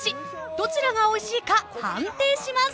［どちらがおいしいか判定します］